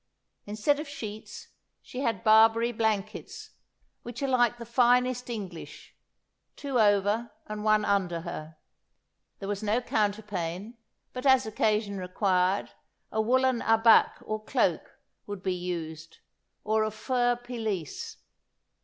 Instead of sheets, she had Barbary blankets, which are like the finest English, two over and one under her. There was no counterpane, but, as occasion required, a woollen abak or cloak would be used or a fur pelisse.